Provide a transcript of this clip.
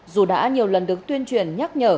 dù đã nhiều lần được tuyên truyền nhắc nhở